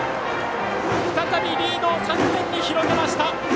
再びリードを３点に広げました。